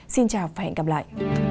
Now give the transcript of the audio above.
xin chào và hẹn gặp lại